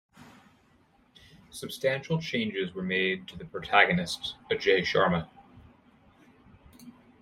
Substantial changes were made to the protagonist, Ajay Sharma.